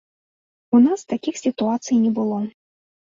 У нас такіх сітуацый не было.